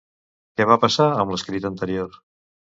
Què va passar amb l'escrit anterior?